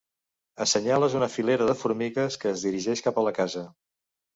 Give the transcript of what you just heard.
Assenyales una filera de formigues que es dirigeix cap a la casa.